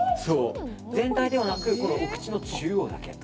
全体ではなく、お口の中央だけ。